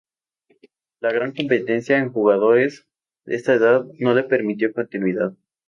La gran competencia en jugadores de esa edad no le permitió continuidad.